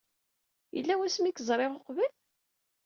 Yella wasmi ay k-ẓriɣ uqbel?